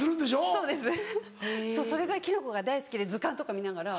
そうですそれぐらいキノコが大好きで図鑑とか見ながら。